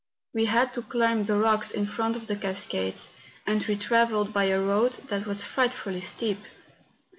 We had to climb the rocks in front of the cascades; and we travelled by a road that was frightfully steep.